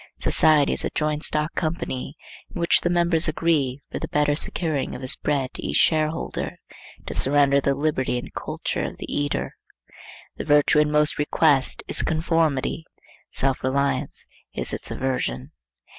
Society is a joint stock company, in which the members agree, for the better securing of his bread to each shareholder, to surrender the liberty and culture of the eater. The virtue in most request is conformity. Self reliance is its aversion.